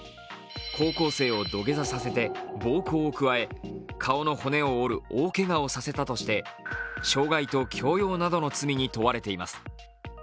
高校生を土下座させて暴行を加え顔の骨を折る大けがをさせたとして、傷害と強要などの罪に問われています。